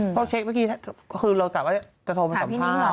เพราะเช็คเมื่อกี้คือเรากะว่าจะโทรไปสัมภาษณ์